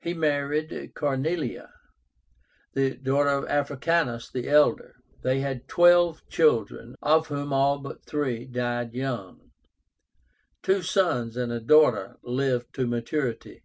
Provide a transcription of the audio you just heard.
He married CORNELIA, the daughter of Africánus the elder. They had twelve children, of whom all but three died young. Two sons and a daughter lived to maturity.